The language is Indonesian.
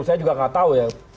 saya juga gak tau ya